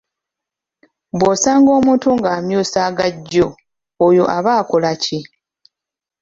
Bw'osanga omuntu ng'amyusa agajjo, oyo aba akola ki?